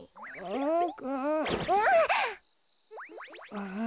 うん。